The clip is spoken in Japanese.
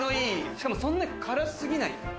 しかもそんなに辛すぎない。